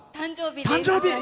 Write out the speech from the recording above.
誕生日です。